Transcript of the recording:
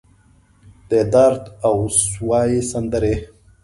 د درد اوسوي سندرې